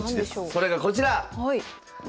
それがこちら！